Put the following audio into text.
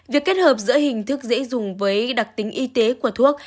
việc kết hợp giữa hình thức dễ dùng với đặc tính y tế của thuốc